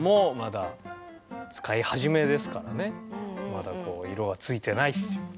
まだ色はついてないっていう。